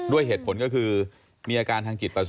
ด้วยเหตุผลก็คือมีอาการทางจิตประสาท